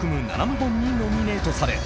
７部門にノミネートされ